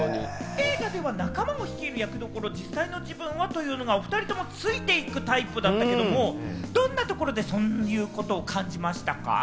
映画では仲間を率いるところ、実際は？というところでおふたりともついていくタイプだったけれども、どういうところでそういうことを感じましたか？